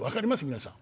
皆さん。